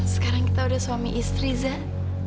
sekarang kita udah suami istri zah